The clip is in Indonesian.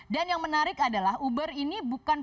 dan yang menarik adalah uber ini bukan